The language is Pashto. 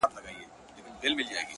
له مودو وروسته يې کرم او خرابات وکړ،